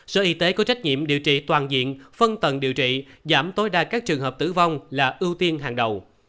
sở y tế có trách nhiệm điều trị toàn diện phân tầng điều trị giảm tối đa các trường hợp tử vong là ưu tiên hàng đầu